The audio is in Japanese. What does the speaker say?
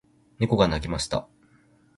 猫が鳴きました。